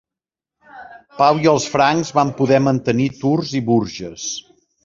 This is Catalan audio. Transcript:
Pau i els francs van poder mantenir Tours i Bourges.